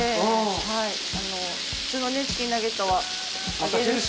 普通のチキンナゲットは揚げるし。